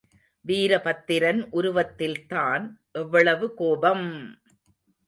வீரபத்திரன் உருவத்தில்தான் எவ்வளவு கோபம்!